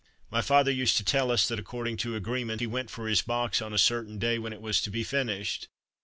My father used to tell us that according to agreement he went for his box on a certain day when it was to be finished.